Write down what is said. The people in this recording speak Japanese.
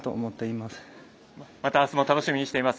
またあすも楽しみにしています。